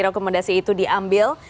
rekomendasi itu diambil